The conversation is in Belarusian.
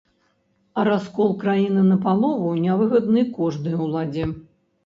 А раскол краіны напалову нявыгадны кожнай уладзе.